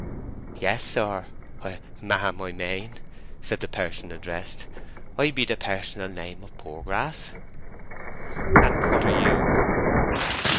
"Yes, sir—ma'am I mane," said the person addressed. "I be the personal name of Poorgrass." "And what are you?"